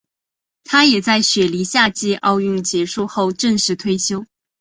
他也在雪梨夏季奥运结束后正式退休。